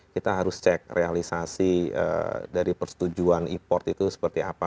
kita harus cek realisasi dari persetujuan import itu seperti apa